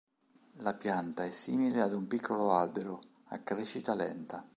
La pianta è simile ad un piccolo albero, a crescita lenta.